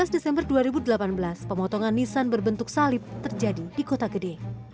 tujuh belas desember dua ribu delapan belas pemotongan nisan berbentuk salib terjadi di kota gede